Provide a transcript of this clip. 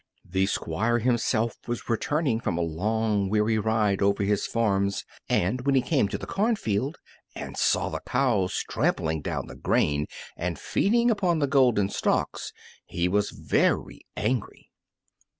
The Squire himself was returning from a long, weary ride over his farms, and when he came to the cornfield and saw the cows trampling down the grain and feeding upon the golden stalks he was very angry.